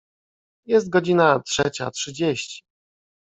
Jest godzina trzecia trzydzieści.